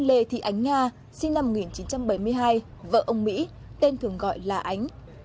lê thị ánh nga sinh năm một nghìn chín trăm bảy mươi hai vợ ông mỹ tên thường gọi là ánh